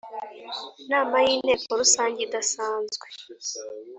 Nama y inteko rusange idasanzwe